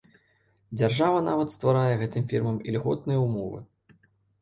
Дзяржава нават стварае гэтым фірмам ільготныя ўмовы.